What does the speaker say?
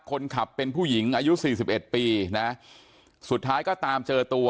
คนขับเป็นผู้หญิงอายุสี่สิบเอ็ดปีนะสุดท้ายก็ตามเจอตัว